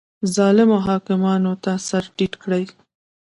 ظالمو حاکمانو ته سر ټیټ کړي